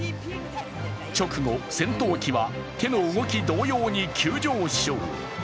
直後、戦闘機は手の動き同様に急上昇。